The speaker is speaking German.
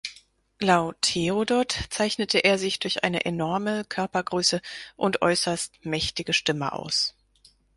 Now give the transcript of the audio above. Laut Herodot zeichnete er sich durch eine enorme Körpergröße und äußerst mächtige Stimme aus.